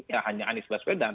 ya hanya anies baswedan